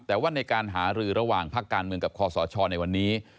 แต่ว่าในการหารือระหว่างภาคการเมืองกับคอสชในวันนี้